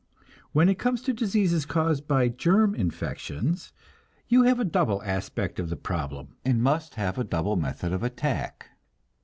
When it comes to diseases caused by germ infections, you have a double aspect of the problem, and must have a double method of attack.